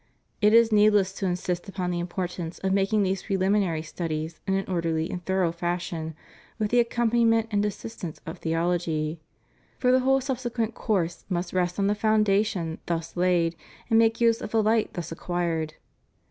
It is needless to insist upon the importance of making these prehminary studies in an orderly and thorough fashion, with the accompaniment and assistance of theology; for the whole subsequent course must rest on the foundation thus laid and make use of the light thus acquired.